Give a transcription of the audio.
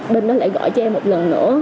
bên đó lại gọi cho em một lần nữa